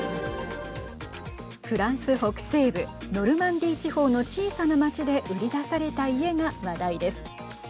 フランス北西部ノルマンディー地方の小さな町で売り出された家が話題です。